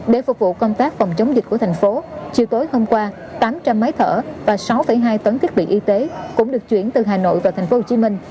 để phục vụ công tác phòng chống dịch của thành phố chiều tối hôm qua tám trăm linh máy thở và sáu hai tấn thiết bị y tế cũng được chuyển từ hà nội vào thành phố hồ chí minh